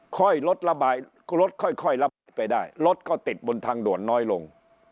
ค่อยลดระบายรถค่อยระบายไปได้รถก็ติดบนทางด่วนน้อยลง